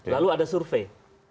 lalu ada survei